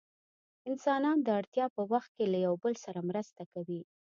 انسانان د اړتیا په وخت کې له یو بل سره مرسته کوي.